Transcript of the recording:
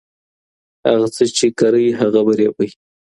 هغه څه چې کرئ هغه به ریبئ.